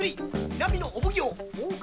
南のお奉行・大岡